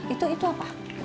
itu itu apa